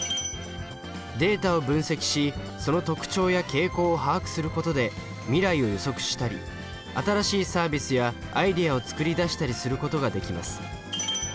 データを分析しその特徴や傾向を把握することで未来を予測したり新しいサービスやアイデアを作り出したりすることができます。